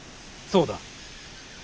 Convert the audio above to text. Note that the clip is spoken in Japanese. そうだ。